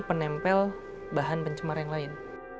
penempel bahan pencemar yang lain